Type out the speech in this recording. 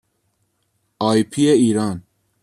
آی پی ایران